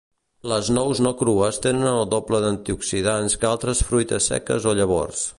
Les nous no crues tenen el doble d'antioxidants que altres fruites seques o llavors.